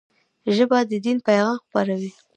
ژبه د دین پيغام خپروي